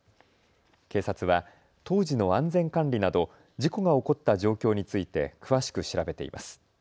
警察は当時の安全管理など事故が起こった状況について詳しく調べています。